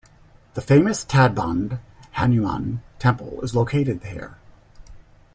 The famous Tadbund Hanuman temple is located here.